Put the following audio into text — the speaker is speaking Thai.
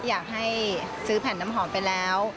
อยากให้ซื้อแผ่นน้ำหอมไปแล้ว